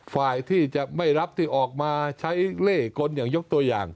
ฝ่ายที่จะไม่รับที่ออกมาใช้เล่กลอย่างยกตัวอย่าง